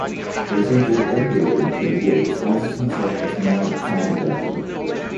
For example, Edgar in "King Lear" disguises himself as mad "Tom o' Bedlam".